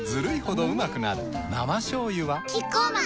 生しょうゆはキッコーマン